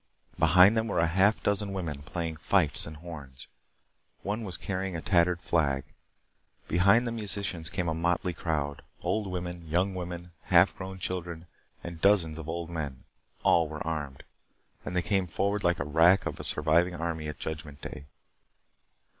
Behind them were half a dozen women, playing fifes and horns. One was carrying a tattered flag. Behind the musicians came a motley crowd. Old women, young women, half grown children, and dozens of old men. All were armed. And they came forward like the wrack of a surviving army at judgement day.